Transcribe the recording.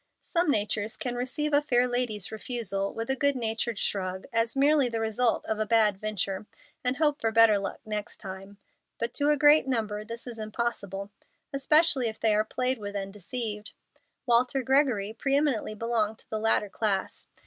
Some natures can receive a fair lady's refusal with a good natured shrug, as merely the result of a bad venture, and hope for better luck next time; but to a greater number this is impossible, especially if they are played with and deceived. Walter Gregory pre eminently belonged to the latter class.